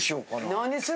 何する？